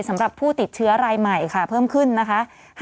สำหรับผู้ติดเชื้อรายใหม่ค่ะเพิ่มขึ้นนะคะ